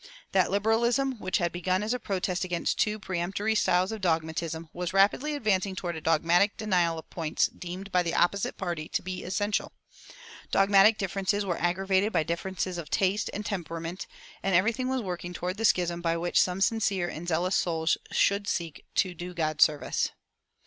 That liberalism which had begun as a protest against a too peremptory style of dogmatism was rapidly advancing toward a dogmatic denial of points deemed by the opposite party to be essential. Dogmatic differences were aggravated by differences of taste and temperament, and everything was working toward the schism by which some sincere and zealous souls should seek to do God service.